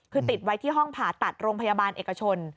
คือติดไว้ที่ห้องผ่าตัดโรงพยาบาลเอกชน